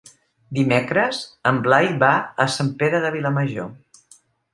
Dimecres en Blai va a Sant Pere de Vilamajor.